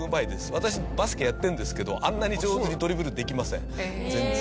私バスケやってるんですけどあんなに上手にドリブルできません全然。